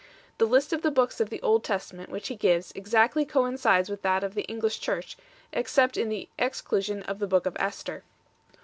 The list of the Books of the Old Testament which he gives 1 exactly coincides with that of the English Church, except in the exclusion of the book of Esther.